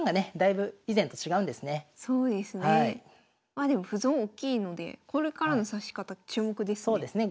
まあでも歩損大きいのでこれからの指し方注目ですね。